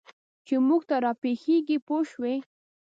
چې موږ ته را پېښېږي پوه شوې!.